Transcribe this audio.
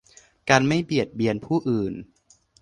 การไม่เบียดเบียนผู้อื่น